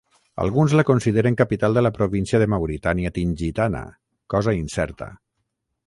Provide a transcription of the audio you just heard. Alguns la consideren capital de la província de Mauritània Tingitana, cosa incerta.